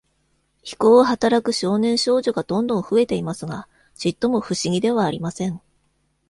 非行をはたらく少年少女がどんどん増えていますが、ちっとも、不思議ではありません。